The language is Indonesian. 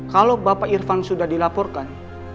kalau bapak irfan sudah dilaporkan